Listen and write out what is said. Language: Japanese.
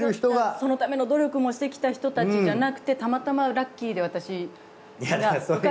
そのための努力もしてきた人たちじゃなくてたまたまラッキーで私が。